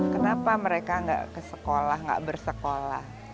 kenapa mereka nggak ke sekolah nggak bersekolah